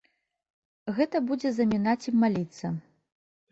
Гэта будзе замінаць ім маліцца.